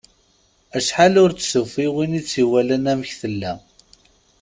Acḥal ur d-tufi win itt-iwalan amek tella.